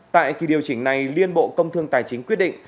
tại kỳ điều chỉnh này liên bộ công thương tài chính quyết định